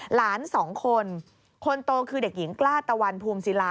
หลานสองคนคนโตคือเด็กหญิงกล้าตะวันภูมิศิลา